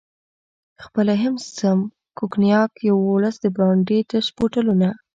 خپله یې هم څښم، کونیګاک، یوولس د برانډي تش بوتلونه.